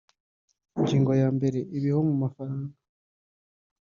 Ingingo ya mbere Ibiho mu mafaranga